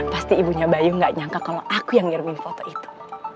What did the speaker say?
pasti ibunya bayu gak nyangka kalau aku yang ngirimin foto itu